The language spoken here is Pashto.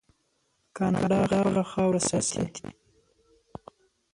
کاناډا خپله خاوره ساتي.